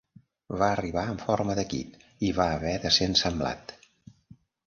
Va arribar en forma de kit, i va haver de ser ensamblat.